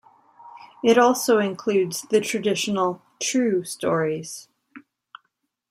It also includes the traditional "true" stories.